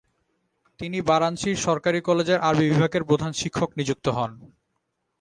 তিনি বারাণসীর সরকারি কলেজের আরবি বিভাগের প্রধান শিক্ষক নিযুক্ত হন।